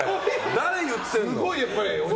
誰、言ってるの？